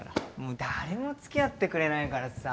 誰も付き合ってくれないからさ。